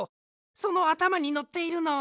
そのあたまにのっているのは。